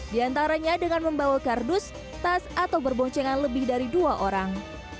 di antaranya dengan membawa kardus tas atau berboncengan lebih dari dua orang